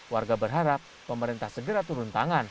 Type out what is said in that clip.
warga berharap pemerintah segera turun tangan